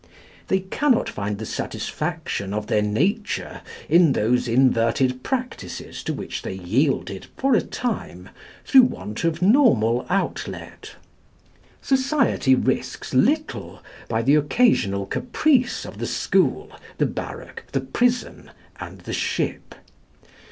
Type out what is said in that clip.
They cannot find the satisfaction of their nature in those inverted practices to which they yielded for a time through want of normal outlet. Society risks little by the occasional caprice of the school, the barrack, the prison, and the ship.